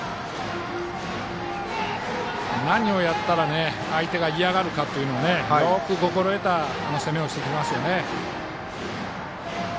何をやったら相手が嫌がるかをよく心得た攻めをしてきますよね。